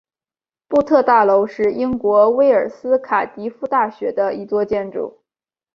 布特大楼是英国威尔斯卡迪夫大学的一座建筑。